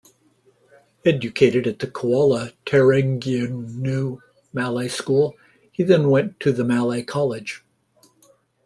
Educated at the Kuala Terengganu Malay School, he then went to the Malay College.